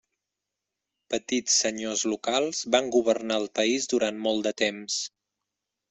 Petits senyors locals van governar el país durant molt de temps.